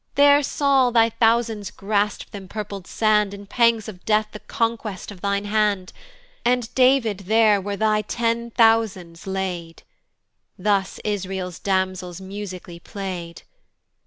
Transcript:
There Saul thy thousands grasp'd th' impurpled sand In pangs of death the conquest of thine hand; And David there were thy ten thousands laid: Thus Israel's damsels musically play'd.